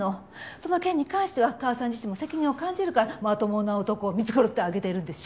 その件に関しては母さん自身も責任を感じるからまともな男を見繕ってあげてるんでしょうが！